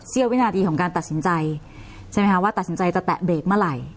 วินาทีของการตัดสินใจใช่ไหมคะว่าตัดสินใจจะแตะเบรกเมื่อไหร่